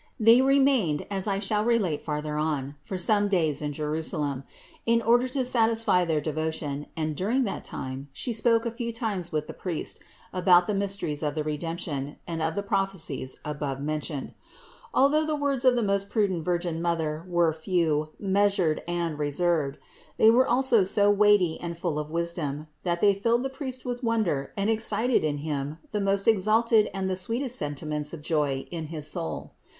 They remained, as I shall relate farther on, for some days in Jerusalem, in order to satisfy their devotion and during that time She spoke a few times with the priest about the mysteries of the Redemption and of the prophecies above mentioned. Al though the words of the most prudent Virgin Mother were few, measured and reserved, they were also so weighty and full of wisdom, that they filled the priest with wonder and excited in him the most exalted and the sweetest sentiments of joy in his soul.